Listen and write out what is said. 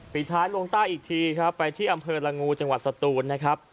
ปิดท้ายลงใต้อีกทีครับไปที่อำเภอละงูจังหวัดสตูนนะครับ